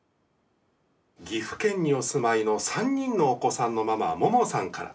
岐阜県にお住まいの３人のお子さんのママももさんから。